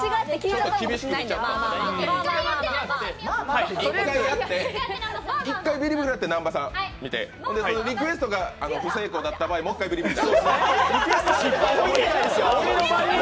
まあまあまあ１回ビリビリやって南波さん見て、リクエストが不成功だった場合、もう一回ビリビリ。